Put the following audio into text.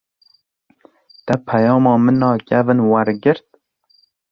Te peyama min a kevin wergirt?